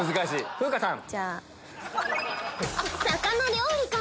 風花さん